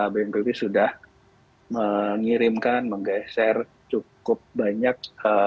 bnpb sudah mengirimkan menggeser cukup banyak